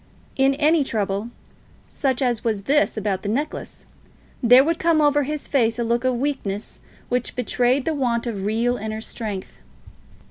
In any trouble, such as was this about the necklace, there would come over his face a look of weakness which betrayed the want of real inner strength.